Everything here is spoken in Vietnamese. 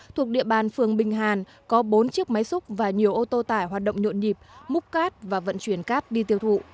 thuộc địa bàn phường bình hàn có bốn chiếc máy xúc và nhiều ô tô tải hoạt động nhộn nhịp múc cát và vận chuyển cát đi tiêu thụ